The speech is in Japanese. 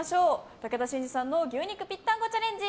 武田真治さんの牛肉ぴったんこチャレンジ